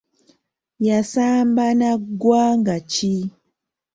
Yasamba na ggwanga ki?